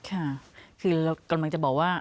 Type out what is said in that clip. ค่ะคือเรากำลังจะบอกว่า